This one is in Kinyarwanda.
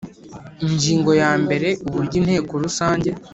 Ingingo ya mbere Uburyo Inteko Rusange